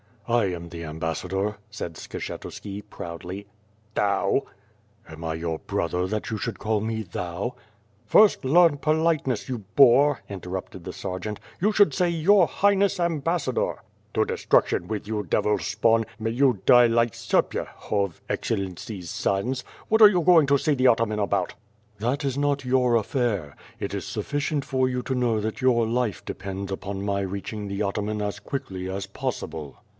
"I am the ambassador/' said Skshetuski, proudly. "Thou?' ' "Am T your brother that you should call me 'thou ?'" "First, learn politeness, you boor," interrupted the ser geant. "You should say, Your Highness, Ambassador!" "To destruction with you, devil's spawn! May you die like Serpyahov, Excellency's sons. What are you going to see the ataman about?" "That is not your affair. It is suflficient for you to know that your life depends upon my reaching the ataman as quickly as possible."